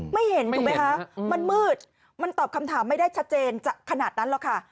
ไม่เห็นถูกไหมคะมันมืดมันตอบคำถามไม่ได้ชัดเจนขนาดนั้นหรอกค่ะ